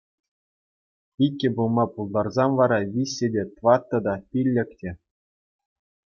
Иккӗ пулма пултарсан вара виҫҫӗ те, тваттӑ та, пиллӗк те...